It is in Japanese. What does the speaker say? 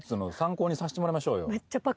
させてもらいましょうよ。